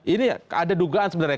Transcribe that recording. ini ada dugaan sebenarnya